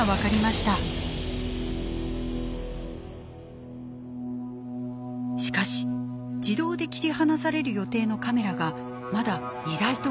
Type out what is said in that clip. しかし自動で切り離される予定のカメラがまだ２台とも見つかっていません。